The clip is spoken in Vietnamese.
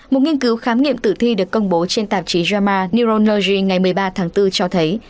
một nghiên cứu khám nghiệm tử thi được công bố trên tạp chí yama newonury ngày một mươi ba tháng bốn cho thấy